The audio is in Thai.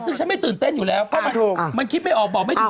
ซึ่งฉันไม่ตื่นเต้นอยู่แล้วเพราะมันคิดไม่ออกบอกไม่ถูก